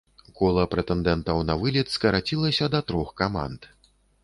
Кола прэтэндэнтаў на вылет скарацілася да трох каманд.